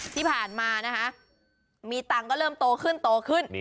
ที่ผ่านมานะคะมีตังค์ก็เริ่มโตขึ้นโตขึ้น